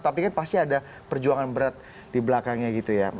tapi kan pasti ada perjuangan berat di belakangnya gitu ya